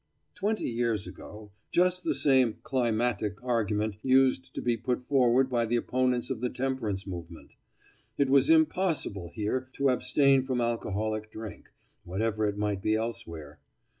Twenty years ago, just the same "climatic" argument used to be put forward by the opponents of the temperance movement; it was impossible here to abstain from alcoholic drink, whatever it might be elsewhere.